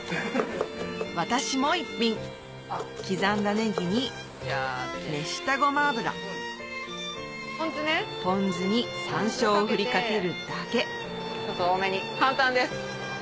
私も一品刻んだネギに熱したごま油ポン酢に山椒を振り掛けるだけちょっと多めに簡単です。